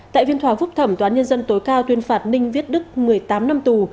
tại viên thòa phúc thẩm tòa án nhân dân tối cao tuyên phạt ninh viết đức một mươi tám năm tù